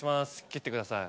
切ってください。